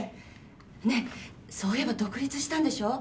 ねえそういえば独立したんでしょ？